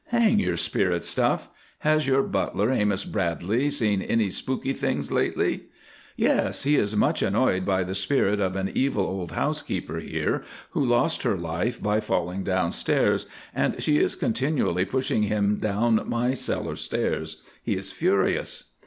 "Hang! your spirit stuff. Has your butler, Amos Bradleigh, seen any spookey things lately?" "Yes, he is much annoyed by the spirit of an evil old housekeeper here who lost her life by falling downstairs, and she is continually pushing him down my cellar stairs. He is furious."